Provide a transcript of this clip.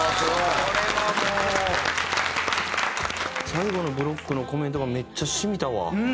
最後のブロックのコメントがめっちゃ染みたわ。